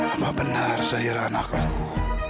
apa benar zahira anak aku